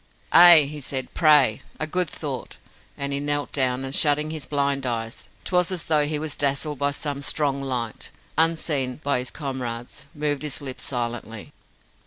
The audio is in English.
"Ay!" he said. "Pray! A good thought!" and he knelt down; and shutting his blind eyes 'twas as though he was dazzled by some strong light unseen by his comrades, moved his lips silently.